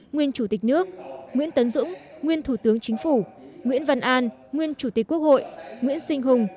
nguyên chủ tịch nước nguyễn tấn dũng nguyên thủ tướng chính phủ nguyễn văn an nguyên chủ tịch quốc hội nguyễn sinh hùng